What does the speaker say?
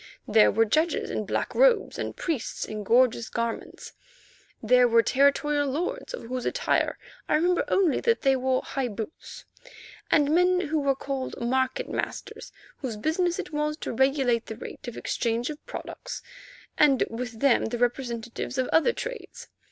There were judges in black robes and priests in gorgeous garments; there were territorial lords, of whose attire I remember only that they wore high boots, and men who were called Market masters, whose business it was to regulate the rate of exchange of products, and with them the representatives of other trades.